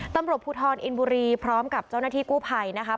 ตำรวจภูทรอินบุรีพร้อมกับเจ้าหน้าที่กู้ภัยนะคะ